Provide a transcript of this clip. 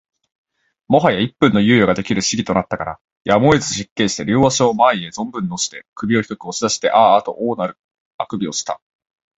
最早一分も猶予が出来ぬ仕儀となったから、やむをえず失敬して両足を前へ存分のして、首を低く押し出してあーあと大なる欠伸をした